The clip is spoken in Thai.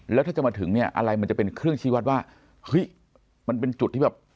แล้วถ้าจะมาถึงเนี่ยอะไรมันจะเป็นเครื่องชี้วัดว่าเฮ้ยมันเป็นจุดที่แบบ